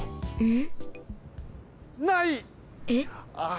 ん！